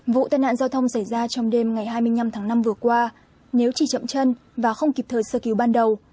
vụ tai nạn giao thông xảy ra trong đêm ngày hai mươi năm tháng năm vừa qua nếu chỉ chậm chân và không kịp thời sơ cứu ban đầu